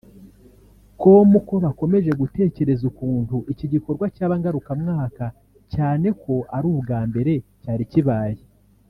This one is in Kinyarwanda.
com ko bakomeje gutekereza ukuntu iki gikorwa cyaba ngarukamwaka cyane ko ari ubwa mbere cyari kibaye